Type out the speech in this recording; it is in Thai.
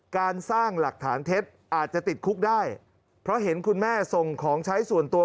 การสร้างหลักฐานเท็จอาจจะติดคุกได้เพราะเห็นคุณแม่ส่งของใช้ส่วนตัว